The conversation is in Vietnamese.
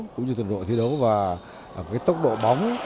cũng như từng đội thi đấu và cái tốc độ bóng